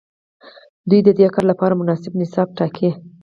دوی ددې کار لپاره مناسب نصاب ټاکي.